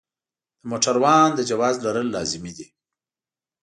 د موټروان د جواز لرل لازمي دي.